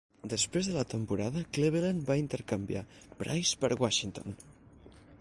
Després de la temporada, Cleveland va intercanviar Price per Washington.